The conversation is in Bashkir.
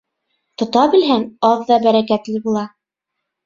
Тота белһәң, аҙ ҙа бәрәкәтле була.